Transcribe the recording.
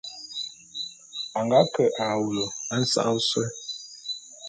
A nga ke a wulu nsa'a ôsôé.